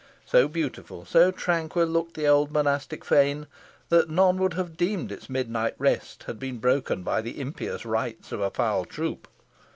So beautiful, so tranquil, looked the old monastic fane, that none would have deemed its midnight rest had been broken by the impious rites of a foul troop.